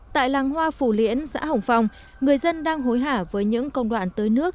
tại làng hoa phủ liễn xã hồng phong người dân đang hối hạ với những công đoạn tới nước